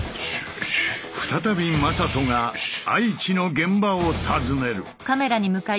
再び魔裟斗が愛知の現場を訪ねる。